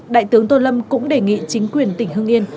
đại tướng tô lâm cũng đề nghị chính quyền tỉnh hưng yên